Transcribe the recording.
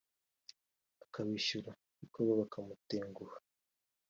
akabishyura ariko bo bakamutenguha